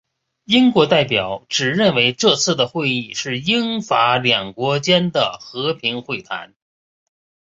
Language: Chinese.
英国代表只认为这次的会议是英法两国间的和平会谈。